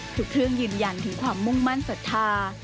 เครื่องยืนยันถึงความมุ่งมั่นศรัทธา